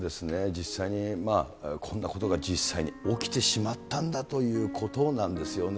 実際に、こんなことが実際に起きてしまったんだということなんですよね。